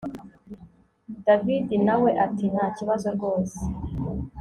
david nawe ati ntakibazo rwose